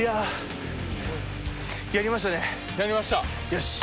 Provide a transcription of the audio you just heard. よし。